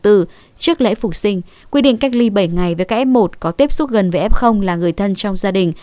trước lễ phục sinh quy định cách ly bảy ngày với các f một có tiếp xúc gần với f là người thân trong gia đình